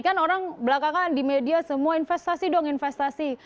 kan orang belakangan di media semua investasi dong investasi